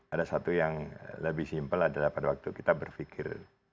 ada satu yang lebih simpel adalah pada waktu kita berpikir